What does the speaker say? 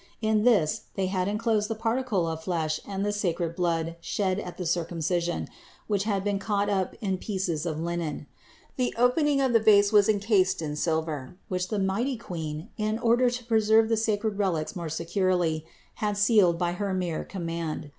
In this they had enclosed the particle of flesh and 464 CITY OF GOD the sacred blood shed at the Circumcision, which had been caught up in pieces of linen. The opening of the vase was encased in silver, which the mighty Queen, in order to preserve the sacred relics more securely, had sealed by her mere command.